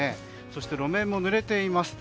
そして、路面もぬれています。